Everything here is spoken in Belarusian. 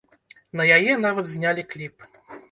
На яе нават знялі кліп.